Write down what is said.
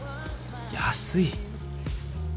安い。